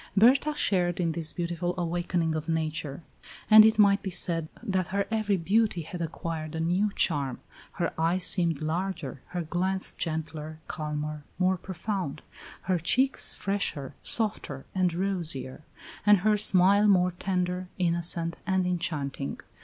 Berta shared in this beautiful awakening of nature, and it might be said that her every beauty had acquired a new charm; her eyes seemed larger, her glance gentler, calmer, more profound; her cheeks fresher, softer, and rosier; and her smile more tender, innocent, and enchanting.